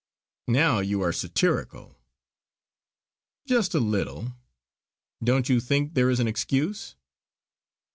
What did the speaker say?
"Now you are satirical!" "Just a little. Don't you think there is an excuse?"